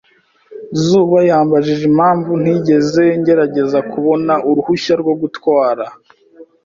Zuba yambajije impamvu ntigeze ngerageza kubona uruhushya rwo gutwara.